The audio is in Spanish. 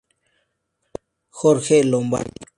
Jorge Lombardi.